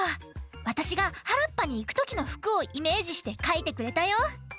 わたしがはらっぱにいくときのふくをイメージしてかいてくれたよ。